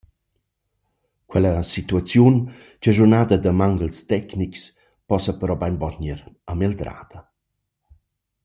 Quella situaziun, chaschunada da manguels tecnics, possa però bainbod gnir amegldrada.